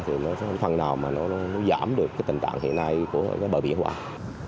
thì nó phần nào mà nó giảm được cái tình trạng hiện nay của cái bờ biển quảng